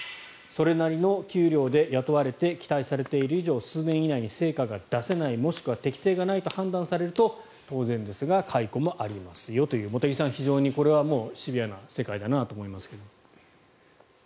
それなりの給料で雇われて期待されている以上数年以内に成果が出せないもしくは適性がないと判断されると当然ですが解雇もあり得ますよという茂木さん、非常にこれはもうシビアな世界だなと思いますが。